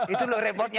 itu loh repotnya